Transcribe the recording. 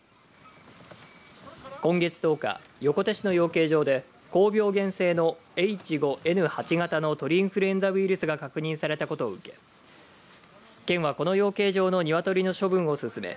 今月１０日横手市の養鶏場で高病原性のＨ５Ｎ８型の鳥インフルエンザウイルスが確認されたことを受け県は、この養鶏場のニワトリの処分を進め